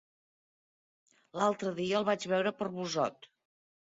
L'altre dia el vaig veure per Busot.